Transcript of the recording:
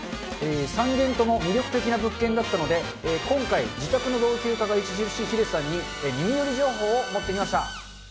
３軒とも魅力的な物件だったので、今回、自宅の老朽化が著しいヒデさんに、耳寄り情報を持ってきました。